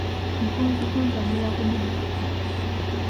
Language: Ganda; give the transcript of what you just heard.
Mukonzikonzi amera ku muddo ki?